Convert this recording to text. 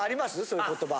そういう言葉。